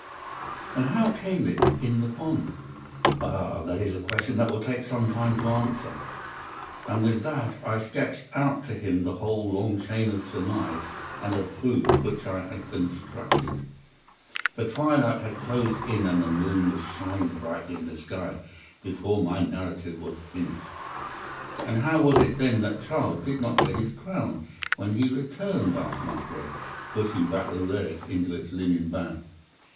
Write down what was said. "'And how came it in the pond?' "'Ah, that is a question that will take some time to answer.' And with that I sketched out to him the whole long chain of surmise and of proof which I had constructed. The twilight had closed in and the moon was shining brightly in the sky before my narrative was finished. "'And how was it then that Charles did not get his crown when he returned?' asked Musgrave, pushing back the relic into its linen bag.